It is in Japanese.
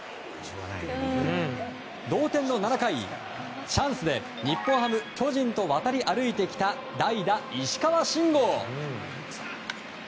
同点の７回、チャンスで日本ハム、巨人と渡り歩いてきた代打、石川慎吾。